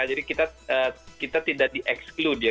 jadi kita tidak di exclude ya